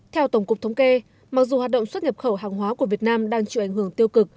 theo tổng cục thống kê mặc dù hoạt động xuất nhập khẩu hàng hóa của việt nam đang chịu ảnh hưởng tiêu cực